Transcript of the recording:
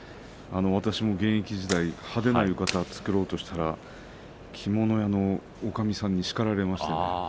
私も現役時代派手な浴衣を作ろうとしたら着物屋のおかみさんに叱られました。